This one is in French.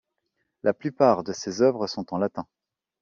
La plupart de ses œuvres sont en latin.